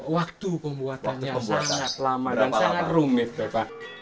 waktu pembuatannya sangat lama dan sangat rumit bapak